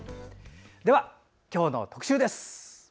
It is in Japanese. では今日の特集です。